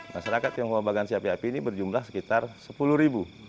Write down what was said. masyarakat tionghoa bagan si api api ini berjumlah sekitar sepuluh ribu